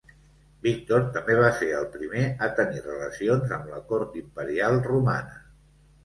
Víctor també va ser el primer a tenir relacions amb la cort imperial romana.